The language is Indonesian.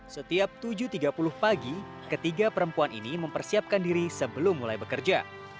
setiap tujuh tiga puluh pagi ketiga perempuan ini mempersiapkan diri sebelum mulai bekerja